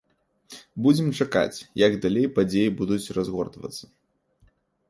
Будзем чакаць, як далей падзеі будуць разгортвацца.